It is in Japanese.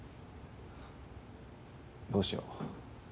どうしよ。